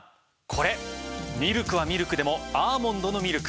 これミルクはミルクでもアーモンドのミルク。